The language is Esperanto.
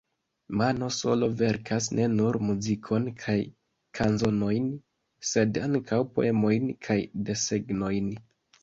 Mano Solo verkas ne nur muzikon kaj kanzonojn sed ankaŭ poemojn kaj desegnojn.